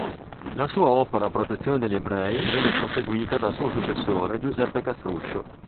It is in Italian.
La sua opera a protezione degli ebrei venne proseguita dal suo successore Giuseppe Castruccio.